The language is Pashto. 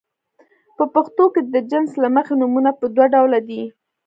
په پښتو کې د جنس له مخې نومونه په دوه ډوله دي.